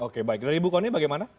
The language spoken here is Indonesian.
oke baik dari ibu koni bagaimana